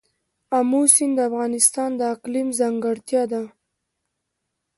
آمو سیند د افغانستان د اقلیم ځانګړتیا ده.